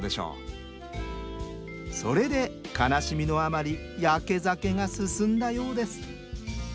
それで悲しみのあまりヤケ酒が進んだようです。